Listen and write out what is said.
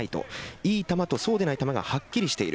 いい球とそうでない球がはっきりしている。